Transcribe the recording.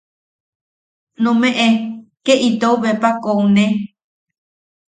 Numeʼe ke itou bepa koune.